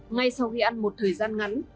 ngay sau khi ăn một thời gian ngắn